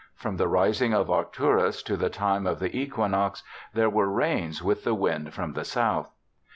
From the rising of Arcturus to the time of the equinox, there were rains with the wind from the south.